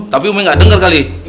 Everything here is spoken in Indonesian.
tapi umeh gak denger kali